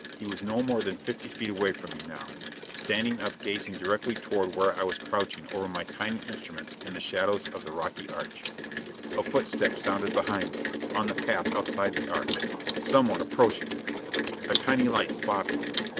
He was no more than forty feet away from me now standing up gazing directly toward where I was crouching over my tiny instruments in the shadows of the rocky arch. A footstep sounded behind me, on the path outside the arch. Someone approaching! A tiny light bobbing!